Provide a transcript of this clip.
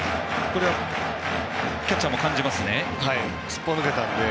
キャッチャーもそれは感じますね。